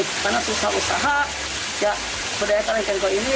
karena susah usaha ya berdayakan ikan koi ini